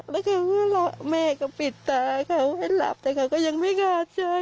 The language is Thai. แล้วก็แม่ก็ปิดตาเขาให้หลับแต่เขาก็ยังไม่กล้าใช้